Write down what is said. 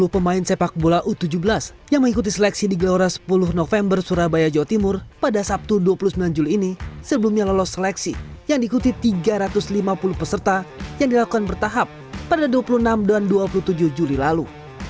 dua puluh pemain sepak bola u tujuh belas yang mengikuti seleksi di gelora sepuluh november surabaya jawa timur pada sabtu dua puluh sembilan juli ini sebelumnya lolos seleksi yang diikuti tiga ratus lima puluh peserta yang dilakukan bertahap pada dua puluh enam dan dua puluh tujuh juli lalu